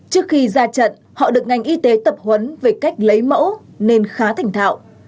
trước khi ra trận họ được ngành y tế tập huấn về cách lấy mẫu nên khá thành thạo